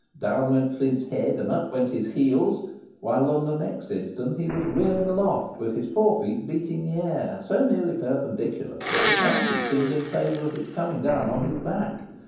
Down went Flint's head and up went his heels; while on the next instant he was rearing aloft, with his fore feet beating the air, so nearly perpendicular, that the chances seemed in favour of his coming down on his back.